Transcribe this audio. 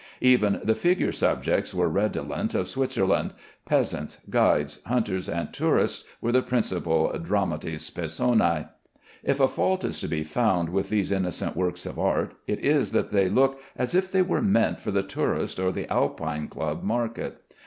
Even the figure subjects were redolent of Switzerland peasants, guides, hunters, and tourists were the principal dramatis personæ. If a fault is to be found with these innocent works of art, it is that they look as if they were meant for the tourist or the Alpine Club market.